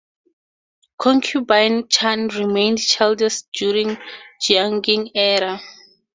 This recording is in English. Concubine Chun remained childless during Jiaqing era.